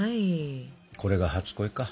これが初恋か。